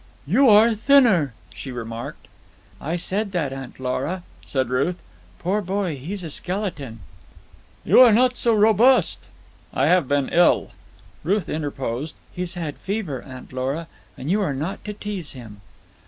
"You are thinner," she remarked. "I said that, Aunt Lora," said Ruth. "Poor boy, he's a skeleton." "You are not so robust." "I have been ill." Ruth interposed. "He's had fever, Aunt Lora, and you are not to tease him."